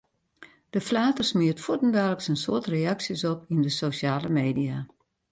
De flater smiet fuortendaliks in soad reaksjes op yn de sosjale media.